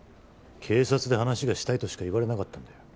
警察で話がしたいとしか言われなかったんだよ。